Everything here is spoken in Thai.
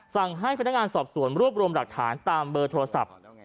สั่งให้พนักงานสอบสวนรวบรวมหลักฐานตามเบอร์โทรศัพท์